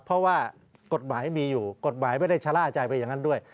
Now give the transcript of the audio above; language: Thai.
เพราะว่ากฎหมายมีอยู่กฎหมายไม่ได้ชะล่าใจไปอย่างนั้นด้วย